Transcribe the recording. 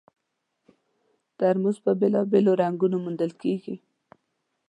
ترموز په بېلابېلو رنګونو موندل کېږي.